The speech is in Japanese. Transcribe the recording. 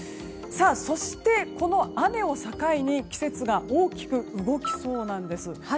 そして、この雨を境に季節が大きく動きそうなんです。